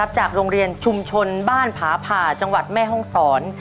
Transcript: จากโรงเรียนชุมชนบ้านผาผ่าจังหวัดแม่ห้องศร